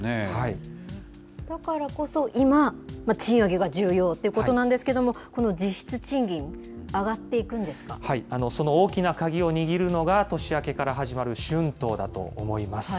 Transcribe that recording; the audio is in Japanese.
だからこそ、今、賃上げが重要ということなんですけれども、この実質賃金、その大きな鍵を握るのが、年明けから始まる春闘だと思います。